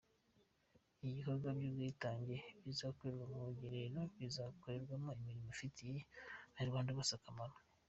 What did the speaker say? Ibikorwa by’ubwitange bizakorerwa ku rugerero bizakorerwamo imirimo ifitiye Abanyarwanda bose akamaro.